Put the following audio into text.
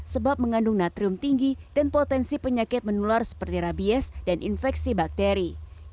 sebab mengandung natrium tinggi dan potensi penyakit menular seperti rabies dan infeksi bakteri